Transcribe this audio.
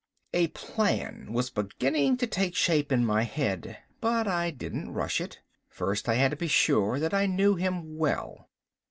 A plan was beginning to take shape in my head, but I didn't rush it. First I had to be sure that I knew him well.